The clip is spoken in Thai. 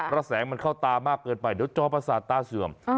ระแสงมันเข้าตามากเกินไปเดี๋ยวจอประสาทตาเสื่อม